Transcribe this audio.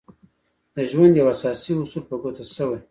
د ژوند يو اساسي اصول په ګوته شوی.